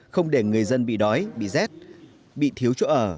không để người dân bị đói bị rét bị thiếu chỗ ở